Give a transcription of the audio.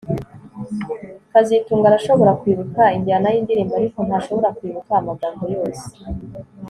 kazitunga arashobora kwibuka injyana yindirimbo ariko ntashobora kwibuka amagambo yose